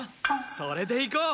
それでいこう！